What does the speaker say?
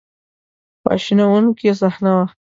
خواشینونکې صحنه وه.